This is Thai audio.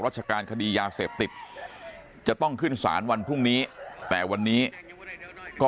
ชการคดียาเสพติดจะต้องขึ้นสารวันพรุ่งนี้แต่วันนี้ก็